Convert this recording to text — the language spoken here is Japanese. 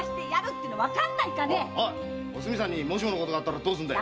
おすみさんにもしものことがあったらどうすんだよ？